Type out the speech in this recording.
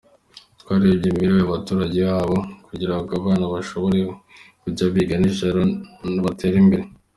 Twarebye imibereho y’abaturage baho kugira ngo abana bashobore kujya biga nijoro…batere imbere.